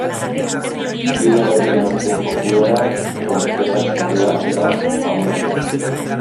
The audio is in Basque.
Bi udaberrien arteko udara tronpetazalea da, amorratua.